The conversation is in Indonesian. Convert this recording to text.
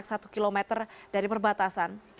yang berjarak satu km dari perbatasan